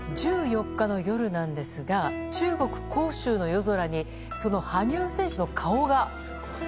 １４日の夜、中国・広州の夜空にその羽生選手の顔が。